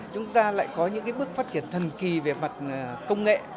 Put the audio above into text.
chúng ta lại có những bước phát triển thần kỳ về mặt công nghệ